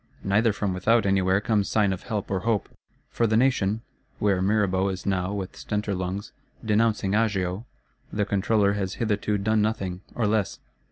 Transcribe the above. Neither from without anywhere comes sign of help or hope. For the Nation (where Mirabeau is now, with stentor lungs, "denouncing Agio") the Controller has hitherto done nothing, or less.